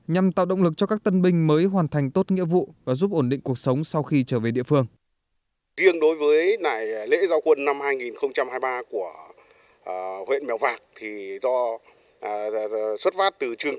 nhằm tạo động lực cho các tân binh mới hoàn thành tốt nghĩa vụ và giúp ổn định cuộc sống sau khi trở về địa phương